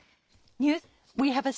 ニュース